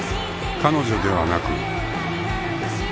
［彼女ではなく］